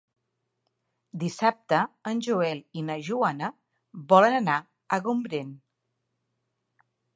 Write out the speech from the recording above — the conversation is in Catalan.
Dissabte en Joel i na Joana volen anar a Gombrèn.